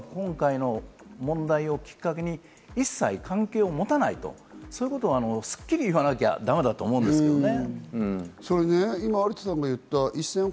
そういう団体とは今回の問題をきっかけに一切関係を持たないと、そういうことはすっきり言わなきゃだめだと思うんですよね。